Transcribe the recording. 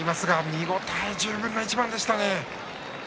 見応え十分の一番でしたね。